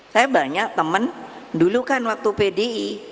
saya banyak temen dulu kan waktu pdi